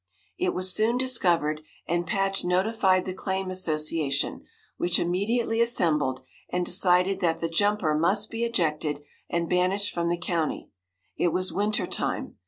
It was soon discovered, and Patch notified the claim association, which immediately assembled and decided that the jumper must be ejected and banished from the county. It was winter time.